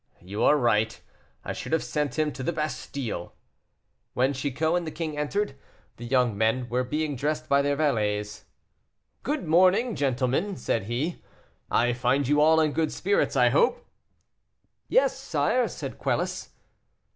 "You are right; I should have sent him to the Bastile." When Chicot and the king entered, the young men were being dressed by their valets. "Good morning, gentlemen," said he; "I find you all in good spirits, I hope?" "Yes, sire," said Quelus.